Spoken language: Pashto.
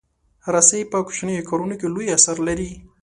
رسۍ په کوچنیو کارونو کې لوی اثر لري.